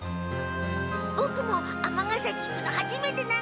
ボクも尼崎行くのはじめてなんだ。